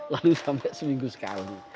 lalu sampai seminggu sekali